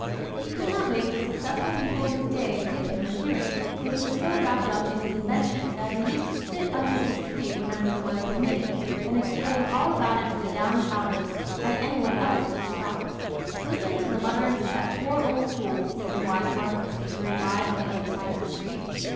He could not make the successful people of his day give him a hearing, but he was so wrapped up in his invention that he used to sit under this tree whenever the weather permitted, and explain all about it to the down and outers and any one else who would stop. "Listen to the mutterings of that poor old fool" said the wise ones as they hurried by on the other side of the street.